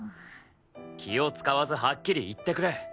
気を使わずはっきり言ってくれ。